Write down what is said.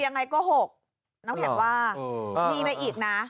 อ๋อมันยังไงก็๖น้องแข็งว่ามีไหมอีกนะ